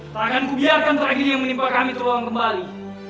takkan kubiarkan tragedi yang menimpa kami teruang kembali